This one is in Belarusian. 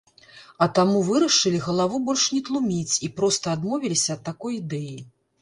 А таму вырашылі галаву больш не тлуміць і проста адмовіліся ад такой ідэі.